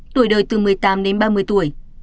tuổi đời từ một mươi tám đến ba mươi tuổi